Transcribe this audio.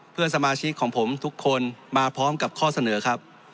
เพื่อนสมาชิกของผมทุกคนมาพร้อมกับข้อเสนอครับ